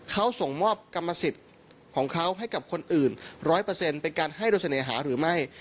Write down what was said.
เขาส่งมอบกรรมสิทธิ์ของเขาให้กับคนอื่นร้อยเปอร์เซ็นต์เป็นการให้โรสเนหาหรือไม่